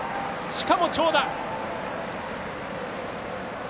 しかも長打！